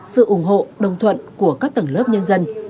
sự ủng hộ đồng thuận của các tầng lớp nhân dân